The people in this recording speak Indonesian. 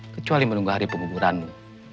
kecuali menunggu hari penghuburanmu